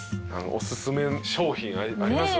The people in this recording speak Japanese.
おすすめ商品あります？